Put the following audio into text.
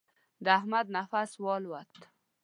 د احمد نفس والوت.